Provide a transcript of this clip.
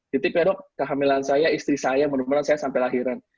ditipin ya dok kehamilan saya istri saya bener bener saya sampai lahiran